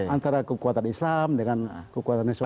antara kekuatan islam dengan kekuatan islam